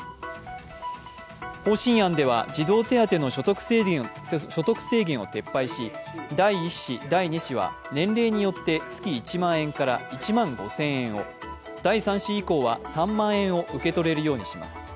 方針案では児童手当の所得制限を撤廃し、第１子、第２子は年齢によって月１万円から１万５０００円を、第３子以降は３万円を受け取れるようにします。